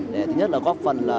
để thứ nhất là góp phần